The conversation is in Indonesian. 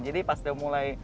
jadi pas dia mulai